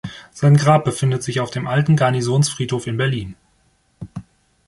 Sein Grab befindet sich auf dem Alten Garnisonfriedhof in Berlin.